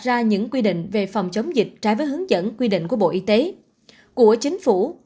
ra những quy định về phòng chống dịch trái với hướng dẫn quy định của bộ y tế của chính phủ